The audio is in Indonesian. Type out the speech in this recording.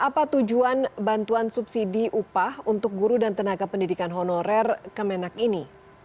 apa tujuan bantuan subsidi upah untuk guru dan tenaga pendidikan honorer kemenak ini